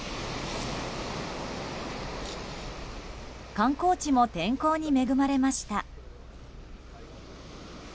観光地も天候に恵まれました。